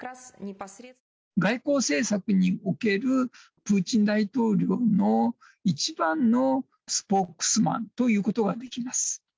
外交政策におけるプーチン大統領の一番のスポークスマンということができます。